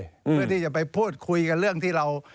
เพื่อที่จะไปพูดคุยกันเรื่องที่เรา